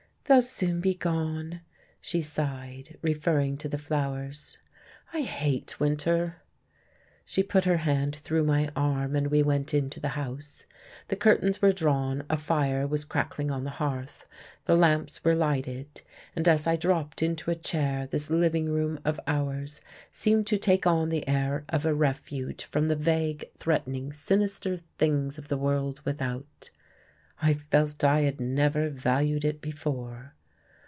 "They'll soon be gone," she sighed, referring to the flowers. "I hate winter." She put her hand through my arm, and we went into the house. The curtains were drawn, a fire was crackling on the hearth, the lamps were lighted, and as I dropped into a chair this living room of ours seemed to take on the air of a refuge from the vague, threatening sinister things of the world without. I felt I had never valued it before.